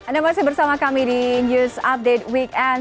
anda masih bersama kami di news update weekend